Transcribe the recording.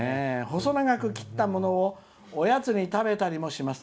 細長く切ったものをおやつに食べたりもします。